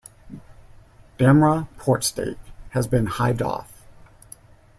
Dhamra port stake has been hived off.